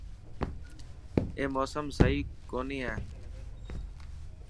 اڄ موسم سهي ڪوني هي.